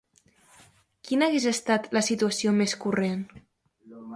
Quina hagués estat la situació més corrent?